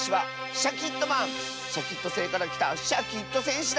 シャキットせいからきたシャキットせんしだ！